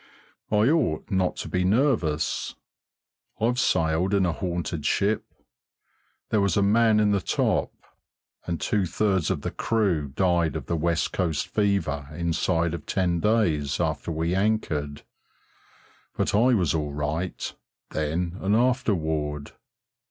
I ought not to be nervous. I've sailed in a haunted ship. There was a Man in the Top, and two thirds of the crew died of the West Coast fever inside of ten days after we anchored; but I was all right, then and afterward.